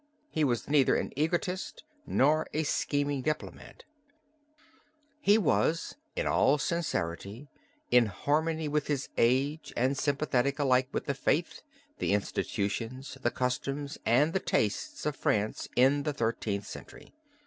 He was neither an egotist nor a scheming diplomatist; he was, in all sincerity, in harmony with his age and sympathetic alike with the faith, the institutions, the customs, and the tastes of France in the Thirteenth Century.